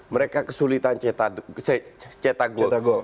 mereka kesulitan cetak gol